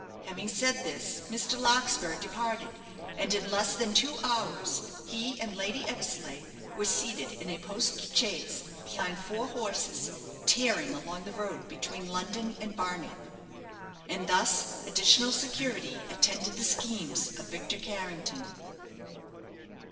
Having said this, Mr. Larkspur departed, and in less than two hours he and Lady Eversleigh were seated in a post chaise, behind four horses, tearing along the road between London and Barnet. And thus additional security attended the schemes of Victor Carrington.